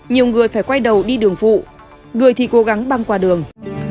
nhiều người phải quay đầu đi đường phụ người thì cố gắng băng qua đường